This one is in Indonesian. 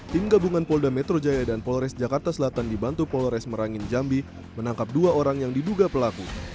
tim gabungan polda metro jaya dan polres jakarta selatan dibantu polres merangin jambi menangkap dua orang yang diduga pelaku